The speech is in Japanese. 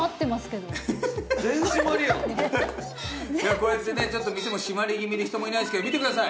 こうやってね店も閉まり気味で人もいないですけど見てください！